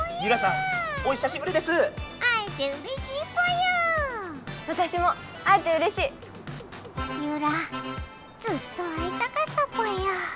ユラずっと会いたかったぽよ。